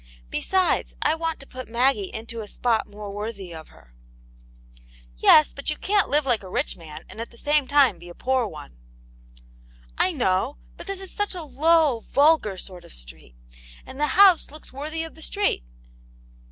" Besides, I want to put Maggie into a spot more worthy of her." Yes, but you can't live like a rich man and at the same time be a poor one." " I know. But this is such a low, vulgar sort of street And the house looks worthy of the street."